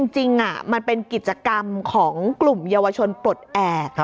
จริงมันเป็นกิจกรรมของกลุ่มเยาวชนปลดแอบ